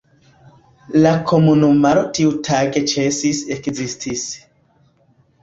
La komunumaro tiutage ĉesis ekzisti.